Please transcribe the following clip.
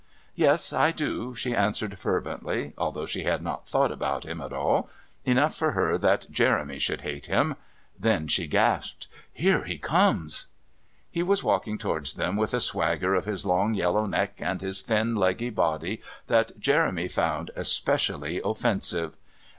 "Yes, I do," she answered fervently, although she had not thought about him at all enough for her that Jeremy should hate him! Then she gasped: "Here he comes " He was walking towards them with a swagger of his long yellow neck and his thin leggy body that Jeremy found especially offensive.